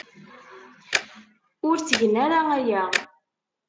Ur ttgent ara aya.